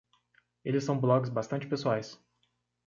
Eles são blogs bastante pessoais.